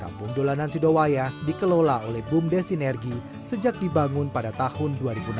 kampung dolanan sidowaya dikelola oleh bumdes sinergi sejak dibangun pada tahun dua ribu enam belas